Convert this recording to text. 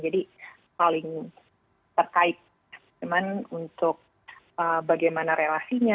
jadi paling terkait untuk bagaimana relasinya